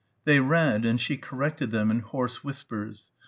They read and she corrected them in hoarse whispers.